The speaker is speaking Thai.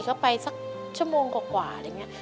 ก็ไปสักชั่วโมงกว่าอะไรอย่างนี้